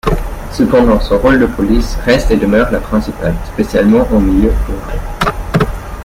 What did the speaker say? Cependant son rôle de police reste et demeure la principale spécialement en milieu rural.